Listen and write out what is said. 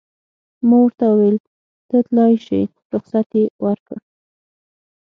ما ورته وویل: ته تلای شې، رخصت یې ورکړ.